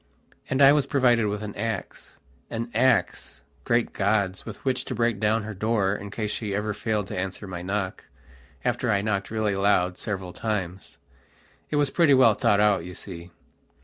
And I was provided with an axean axe!great gods, with which to break down her door in case she ever failed to answer my knock, after I knocked really loud several times. It was pretty well thought out, you see.